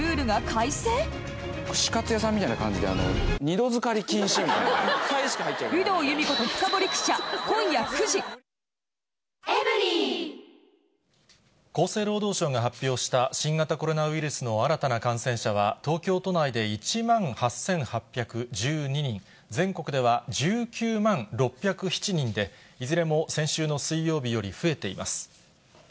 乳酸菌が一時的な胃の負担をやわらげる厚生労働省が発表した新型コロナウイルスの新たな感染者は、東京都内で１万８８１２人、全国では１９万６０７人で、いずれも先週の水曜日より増えています。